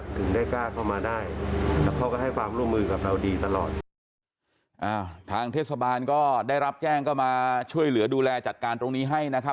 ถึงได้กล้าเข้ามาได้